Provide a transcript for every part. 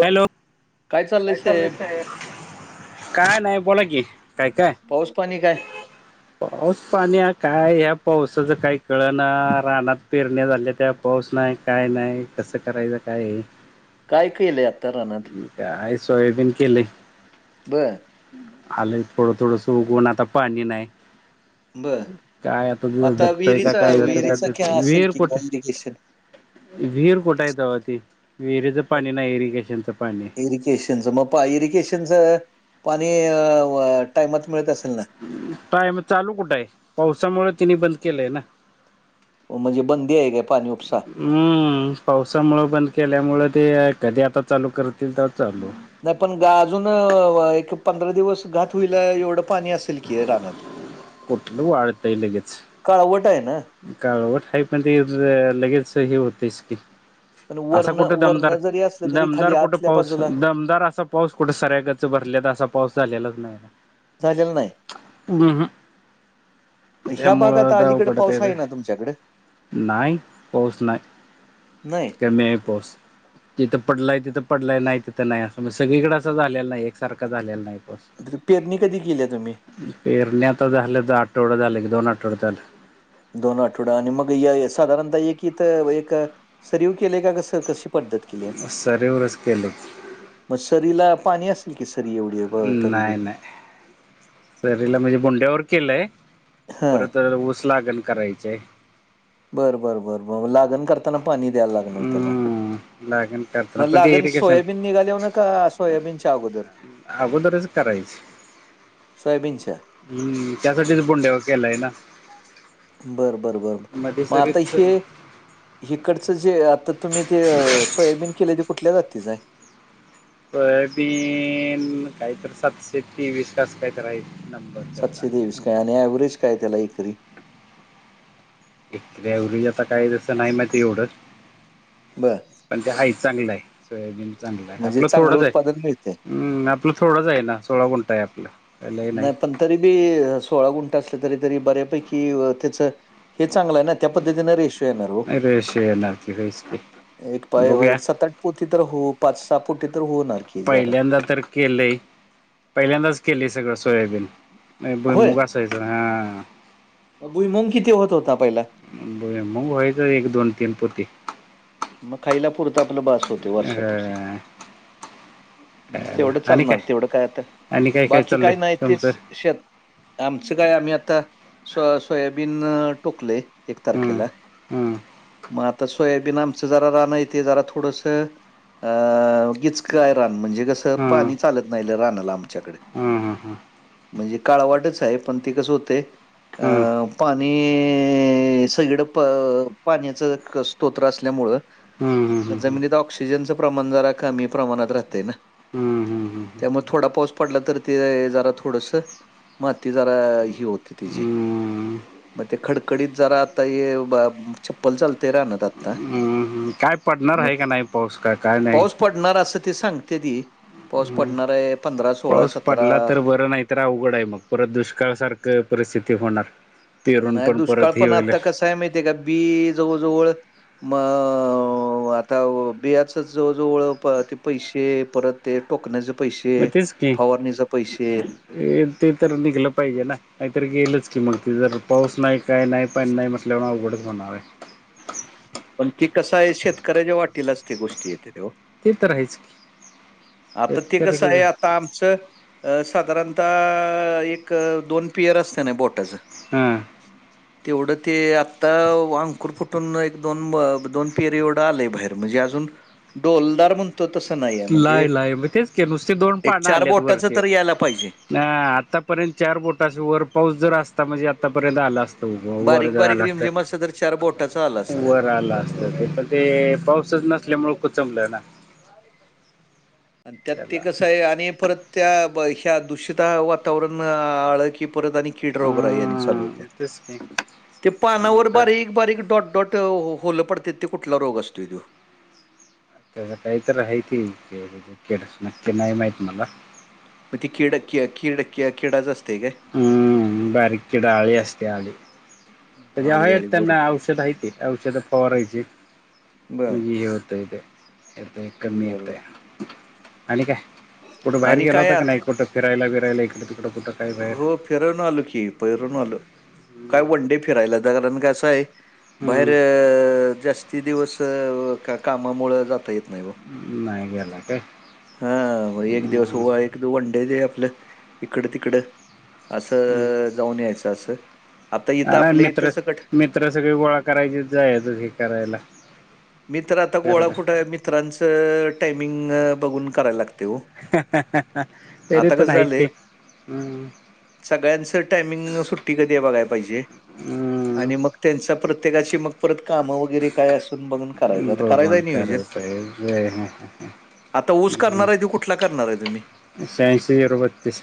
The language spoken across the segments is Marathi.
हॅलो काय चालय साहेब? काय नाही बोला कि काय काय. पाऊस पाणी काय पाऊस पाणी काय ह्या पावसाच काही कळ ना रानात पेरण्या झाल्यात्या. पाऊस नाही काय नाही कस करायच काय. काय केलंय आता रानात? काय सोयाबीन केलय. बरं आलय थोडं थोडस उगून आता पाणी नाही. बर काय आता जीव जगतय का विहिरीचा काय इतकं करतय का विहिरीचा ते काय असेल विहिर की कोठे. काय इरिगेशन विहीर कुठय तवा ती विहिरीचं पाणी नाही इरिगेशनच पाणी आहे. इरिगेशनचं मग पा इरगेशनचं पाणी टायमात मिळत असेल ना? टाईम चालू कुठं आहे पावसामुळे तिनी बंद केलंय ना. म्हणजे बंदी आहे काय पाणी उपसा. हम्म पावसामुळं बंद केल्यामुळ ते कधी आता चालू करतील तर चालू. नाही पण ग अजून एक पंधरा दिवस घात होईल एवढं पाणी असेल की रानात. [inaudible] कुठलं वाळतय लगेच. काळवट हाय ना. काळवट हाय पण, ते ज लगेच हे होतयस की पण आसा वर्ण कुठ वर्ण दमदार? जरी असलं तरी खाली दमदार कुठ? आतल्या पाऊस बाजूला दमदार असा पाऊस कुठं सऱ्या गच भरले तर असा पाऊस झालेलाच नाही झालेलं नाही ऊ हू. मग ह्या त्यामुळं भागात आता अलीकडे अवघड पाऊस आहे ना तुमच्याकडे नाही पाऊस नाही. नाही कमी हाय पाऊस. जीथं पडलाय तिथं पडलाय, नाही तिथं नाही असं म्हणजे सगळीकडें असं झालेलं नाही, एकसारखं झालेला नाही पाऊस. खर पेरणी कधी केलिया तुम्ही? पेरण्या आता झालं तर आठवडा झाल की दोन आठवडा झाल. दोन आठवडा आणि मग या साधारणतः एक इथ व, एक सरीव केलय का कसं कस? सरीवरच केलंय. मग सरीला पाणी असेल की, सरी एवढी व तरी बी. नाही नाही सरीला म्हणजे बोंड्यावर केलंय, हां. परत अ ऊस लागण करायची ए. बरं बरं बरं बर लागन करत ताना पाणी द्यायला लागणार त्याला, हम्म लागण करताना म पण ते लागण इरिगेशन सोयाबीन निघाल्यावर न का सोयबिन च्या अगोदर? आगोदरच करायची. सोयाबीनच्या? हम्म त्यासाठीच बूनडेवा केलाय ना? बर बरं बर, मध्ये मग आता सरीच हे हीकडचं जे आता तुम्ही ते सोयाबीन केलय, ते कुठल्या जातीच हाय? सोयाबिन काय तर सातशे तेवीस आस कायतर हाय ते. सातशे तेवीस काय आणि ऍव्हरेज काय हाय त्याला एकरी? ते एव्हरेज आता काय त्याच काय नाही माहिती एवढ. बरं. पण ते हायित चांगलं हाय. सोयाबीन चांगलं हाय. म्हणजे आपलं चांगलं थोडंच हाय. उत्पादन मिळतंय. उ म आपलं थोडंच आहे ना, सोळा गुंठा आहे आपलं. काय लय नाही पण तरी बी सोळा गुंठ असले, तरी तरी बऱ्यापैकी त्याच हे चांगलं हाय ना? त्या पद्धतीने रेशो येणार ओ. रेष येणार की होयच की एक पाय बघूया व्हय पोती तर होऊ, पाच सहा पोती, तर होणार जरा केलय, पहिल्यांदाच केलय सगळं सोयाबीन. काय होय, भूईमुग असाय चा आ आ? भुईमुंग किथी होत होता पहिला? मूग व्हायचा एक दोन तीन पोती. मग खाईला पुरत आपलं बास होत. र [unintelligible] तेवढं चालणार, तेवढं काय आता, आणि काय बाकी चाललंय काय नाही तेच तुमचं शेत. आमचं काय आम्ही आता सो सोयाबीन टोकलय. एक हम्म तारखेला. हम्म म आता सोयाबीन आमचं जरा राण हाय ते जरा थोडसं अ गिचक रान म्हणजे कस हम्म पाणी चालत नाही रानाला आमच्याकड. हम्म म्हणजे काळवाटच हाय, पण ते कसं होतय अ. हम्म पाणी ई सगळीकड प पाण्याचं स्तोत्र असल्यामुळं हम्म हम्म हम्म जमिनीत ऑक्सिजनचं प्रमाण जरा कमी प्रमाणात राहते ना. हम्म, हम्, हम्, ह त्यामुळे थोडा पाऊस पडला तर ते जरा थोडस, माती जरा ही होते तिची. हम्म मग ते खडकडीत जरा आता हे चप्पल चालते रानात आता. काय पडणार आहे मग का नाही पाऊस का काय पाऊस नाही पडणार असं ते सांगते ती, पाऊस पडणार आहे. पंधरा सोळा पाऊस सतरा पडला तर बरं नाही तर अवघड आहे मग परत दुष्काळ सारखं परिस्थिती होणार. पेरून पण परत हे होले त्याचात बी जवळजवळ म आता बियाचच जवळजवळ ते पैसे परत ते टोकण्याचे पैसे, मग तेच की फवारणीच पैसे ते तर निघलं पाहिजे ना, नाहीतर गेलंच की मग ते जर पाऊस नाही काय नाही पाणी नाही म्हटल्यावर अवघडच होणार आहे. पण ती कसं आहे शेतकऱ्याच्या वाटीलाच ती गोष्टी येते ती ओ. ते तर आहेच की, आता ते कसं आहे आता आमचं अ साधारणतः एक दोन पियर असते ना बोटाचं. हम्म. तेवढं ते आत्ता वांग कुरकुटून एक दोन दोन पेर एवढं आले बाहेर म्हणजे अजून ढोलदार म्हणतो तसं नाहीय लाय म्हणजे तेच [unintelligible] नुस दोड एक चार बोटाच तर यायला पाहिजे. नाही आतापर्यंत चार बोटाशी वर पाऊस जर असता म्हणजे आतापर्यंत आला असता. वर बारीक जावं बारीक लागते, रिमझिम असं तर चार बोटाचं आलं असतं वर आला असत. पण ते पाऊसच नसल्यामुळे कुचमलं ना. त्यात ते त्याला कसं आहे आणि परत त्या ह्या दूषित वातावरण आळ की परत आणि कीड रोग राई चालू होत्या, हम्म तेच की ते पानावर म्हटलं बारीक बारीक डॉट डॉट होल पडतेत ते कुठला रोग असतो तो? त्याच काही तरी आहे की [unintelligible] नक्की नाही माहित मला. मग ती किडकि किडकि किडाच असतेय काय? हम्म, बारीक किडा आळी असते आळी. तर जे आळी आहे आळी त्यांना बरोबर औषधं आहे ते औषधं फवारायची बर म्हणजे हे होतंय ते येतय कमी येतय, बरोबर आणि काय? कुठे बाहेर आणि गेला काय होता का आता नाही कुठं फिरायला बीरायला इकडे तिकडं कुठं? काय बाहेर हो फिरवून आलो की फीरून आलो की, काय वन डे फिरायला जा कारण का असं आहे बाहेर हम्म जास्ती दिवस कामामुळे जाता येत नाही. नाही गेला काय. हा एक दिवस हो हम्म एकव वनडे दे आपलं इकड तिकड असं जाऊन यायचं असं आता इथं आपल्या मित्र इथे स कट मित्र सगळे गोळा करायचे जायचं हे करायला. मित्र आता गोळा फिरायला कुठं मित्रांचं टायमिंग बघून करायला लागते हो. आता तरीपण कसं झालंय ऐकते. सगळ्यांचं टायमिंग सुट्टी कधी आहे बघायला पाहिजे. आणि मग हम्म त्यांचा प्रत्येकाची मग परत काम वगैरे काय असून बघ [unintelligible] आता ऊस करणार आहे तो कुठला करणार आहे तुम्ही? शहाऐंशी झिरो बत्तीस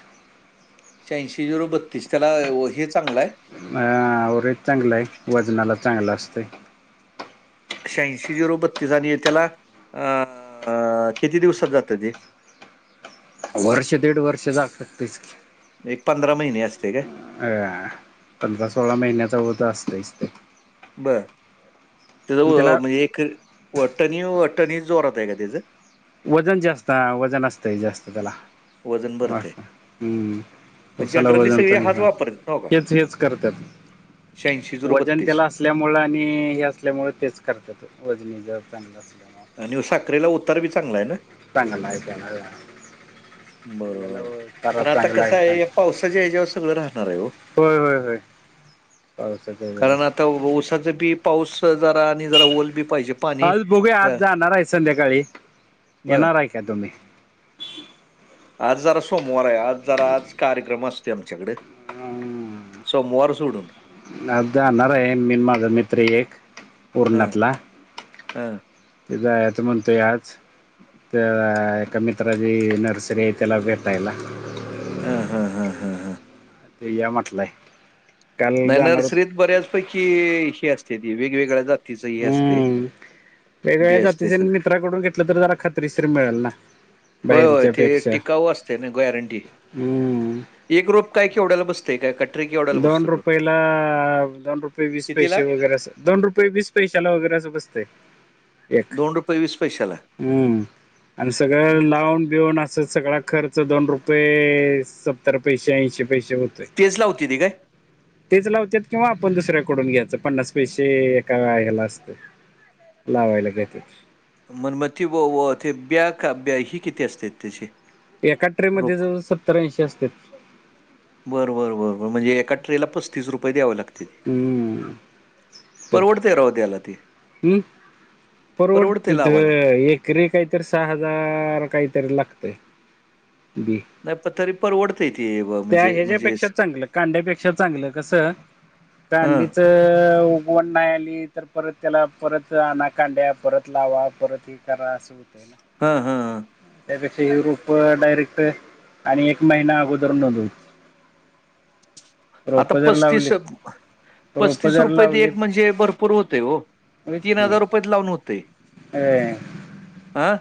श्याऐंशी झिरो बत्तीस. त्याला हे चांगलाय. आं. रेट चांगलाय. वजनाला चांगला असतोय. श्याऐंशी झिरो बत्तीस आणि त्याला अ किती दिवसात जात ते? वर्ष दीड वर्ष जाऊ शकतय की. एक पंधरा महिने असतय काय? आ. पंधरा सोळा महिन्याचा ऊस असतोयच तो. बरं. त्याचं त्याला म्हणजे एक वटणी वटणी जोरात आहे का त्याचं? वजन जास्त आ वजन असतंय जास्त त्याला. वजन भरतंय हं. उसाला जनरली वजन सगळी हाच चांगल वापरतात हेच हेच करतात. शेंयांशी झिरो बत्त- वजनतेला असल्यामुळे आणि हे असल्यामुळे, तेच करतात. वजनी जड चांगलं असल्यामुळे. आणि साखरेला उतार बी चांगलाय ना? चांगलाय त्याला. [unintelligible] बरोबर उतारा पण आता चांगलाय कसं छान. आहे या पावसाच्या ह्याच्यावर सगळं राहणार आहे हो. होय. होय. होय. पावसाच्या - उसासाठी पाऊस जरा आणि जरा ओल बी पाहिजे. पाणी आज बघू या आज अ, जाणार आहे संध्याकाळी. बर येणार आहे का तुम्ही? आज जरा सोमवार आहे. आज जरा आज कार्यक्रम असतो. आमच्याकड. हम्म. सोमवार सोडून. आज जाणारे मी न माझा मित्र एक पर्णातला. हां. तो जायाचं म्हणतोय आज. त्या एका मित्राची नर्सरी आहे त्याला भेटायला. हां. हां. हां. हां. तो या म्हटलाय. म नर्सरीत बऱ्याच पैकी हे असत्याती. वेगवेगळ्या जातीच हे असतेय. हम्म वेगवेगळ्या जातीचं आणि मित्राकडून घेतलं तर जरा खात्रीशीर मिळेल ना? होय. होय. बाहेरच्या ते पेक्षा टिकाऊ असते ना गॅरंटी? हम्म एक रोप काय केवढ्यायला बसत? -य काय [unintelligible] दोन तो रुपयेला. दोन रुपये वीस पैसे कितीला वगैरे अस. दोन रुपये वीस पैशाला वगैरे असं बसतय. एक. दोन रुपये वीस पैशाला हम्म. आणि सगळ लावून बिऊन अस- अस सगळा खर्च, दोन रुपये सत्तर पैसे ऐंशी पैसे होत- तेच लावतेती काय? तेच लावत्यात. किंवा आपण दुसऱ्याकडून घ्यायचं. पन्नास पैसे एका ह्याला असत. लावायला जात. मनमती व व ते ब्या का ब्या ही किती असत्यात त्याचे? एका ट्रे मध्ये जवळ सत्तर ऐंशी असतात. बर बर बर बर. म्हणजे एका ट्रेला पस्तीस रुपये द्याव लाग- ते. हम्म परवडतय राव त्याला ते. हम्. परवडत परवडते ते लावायला. एक- ट्रे काहीतरी सहा हजार काहीतरी लागतय. बी. नाही पण तरी परवडतय ते ब. त्या ह्याच्या्यापेक्षा चांगलं. कांद्यापेक्षा चांगलं. कसं हं, कांद्याच वण नाय आली तर परत त्याला परत आणा कांड्या. परत लावा परत हे करा. असं हं, हं. त्यापेक्षा हे रूप डायरेक्ट. आणि एक महिना अगोद उदरनगर [unintelligible] आता पस्तीस रोप पस्तीस जर रुपये ते एक लावलीत म्हणजे भरपूर होतेय हो. तीन हजार रुपयात लावून होतेय. ये. आं.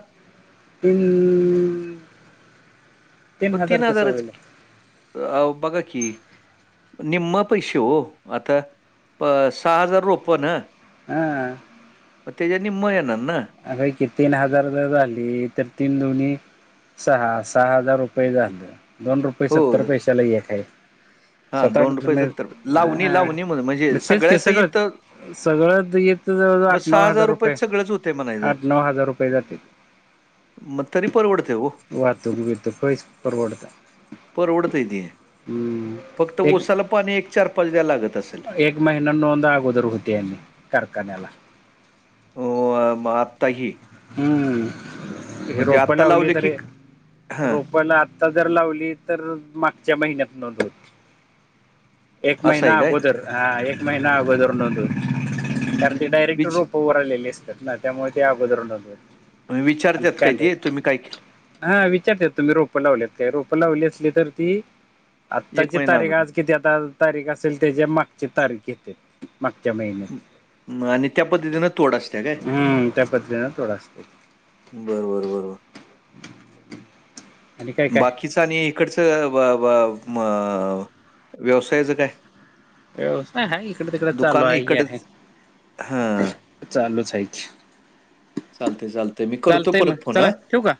पील हो हजार तीन कसं हजारच होईल की. अओ बघा कि. निम्म पैसे हो. आता प सहा हजार रोप ना. ह. म त्याच्या नीम्म येणार ना. अग कि तीन हजार जर झाली. तर तीन दुन्ही सहा. सहा हजार रुपये झालं. दोन रुपये हो. सत्तर पैशाला एक हाय. हां, सत आठ अ लावणी, लावणी म्हण म म्हणजे तेच के सगळंच. सगळ्यासहित सगळं येत जवळजवळ मग आठ नऊ हजार रुपये. सगळंच होतंय म्हणायचं. आठ नऊ हजार रुपये जातील. मग तरी परवडतंय हो. वाहतुक बिहतुक काईच परवडताय. परवडतय ते. हम्म. फक्त एक ऊसाल पानी एक चार पाच द्याला लागत असल. एक महिन नोंद आगोदर होतेया आनी. कारखान्याला. हो म आता ही. हम्म हे रोपय आत्ता लावली लावले की तरी. हा रोपयला आ आता जर लावली तर, मागच्या महिन्यात नोंद होते. एक असं महिन आहे काय आगोदर. हा एक महिन आगदर नोंद होती. कारण ते डायरेक्ट विच रोप वर आलेले असतात ना. त्यामुळे ते अगोदर नोंदवता. विचारतात काय ते? तुम्ही काय केलं? हा विचारतेत. तुम्ही रोप लावलेत का? रोपं लावली असली तर ती एक आत्ताची महिना तारीख अगोदर आज किती आता तारीख असेल त्याच्या मागची तारीख येते. मागच्या महिन्या आणि त्या पद्धतीनं तोड अस हम्म त्या पद्तीने तोड असते. बरबर बरबर. आणि काय काय बाकीचं आणि इकडच ब ब म अ व्यवसायच काय? व्यवसाय हाय इकडे तिकडे चालू दुकान आहे की. इकडच हा चालूच हाय ते. चालतय चालतय. मी करतो चालतंय मग परत फोन चला ह. ठेवू का?